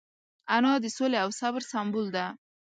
انا د سولې او صبر سمبول ده